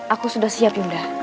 aku sudah siap yunda